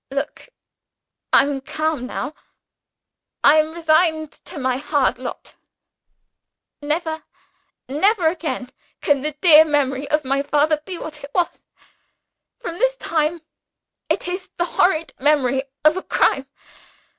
Look! I am calm now; I am resigned to my hard lot. Never, never again, can the dear memory of my father be what it was! From this time, it is the horrid memory of a crime.